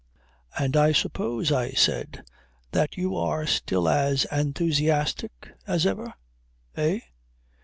"And I suppose," I said, "that you are still as 'enthusiastic' as ever. Eh?